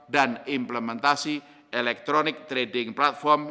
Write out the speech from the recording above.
dan implementasi elektronik trading platform